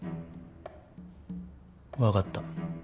分かった。